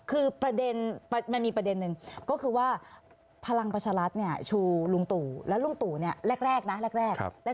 คือประเด็นมันมีประเด็นนึงก็คือว่าพลังประชารัฐชูลุงตุและลุงตุเนี่ยแรกนะ